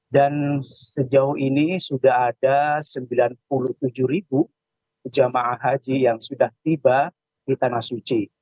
dan sejauh ini sudah ada sembilan puluh tujuh ribu jemaah haji yang sudah tiba di tanah suci